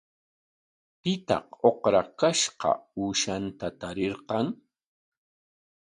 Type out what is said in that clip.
¿Pitaq ukrakashqa uushata tarirqan?